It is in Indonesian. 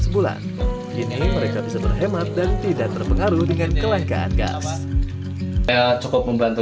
sebulan kini mereka bisa berhemat dan tidak terpengaruh dengan kelangkaan gas cukup membantu